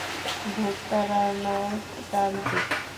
ভুত তাড়ানোর তান্ত্রিক।